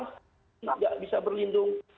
nggak bisa berlindung